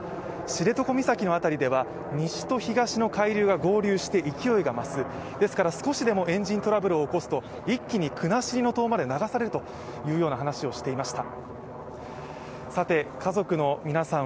知床岬の辺りでは西と東の海流が合流して勢いが増す、ですから少しでもエンジントラブルを起こすと一気に国後島まで流されるというような話をしていました。